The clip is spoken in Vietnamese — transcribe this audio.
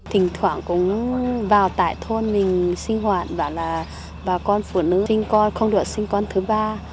thỉnh thoảng cũng vào tại thôn mình sinh hoạt bảo là bà con phụ nữ sinh coi không được sinh con thứ ba